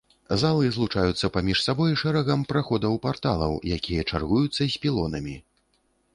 Залы злучаюцца паміж сабой шэрагам праходаў-парталаў, якія чаргуюцца з пілонамі.